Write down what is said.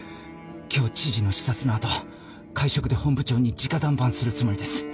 今日知事の視察の後会食で本部長に直談判するつもりです